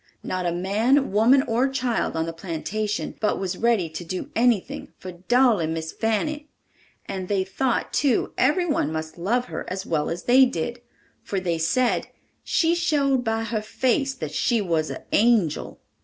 Not a man, woman or child on the plantation but was ready to do anything for "darling Miss Fanny." And they thought, too, every one must love her as well as they did, for they said "she showed by her face that she was an angel."